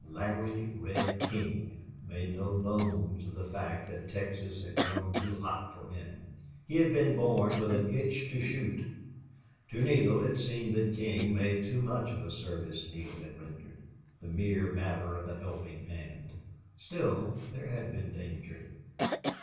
Larry Red King made no bones of the fact that Texas had grown too hot for him. He had been born with an itch to shoot. To Neale it seemed that King made too much of a service Neale had rendered the mere matter of a helping hand. Still, there had been danger.